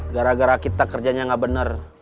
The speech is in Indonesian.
gara gara kita kerjanya gak bener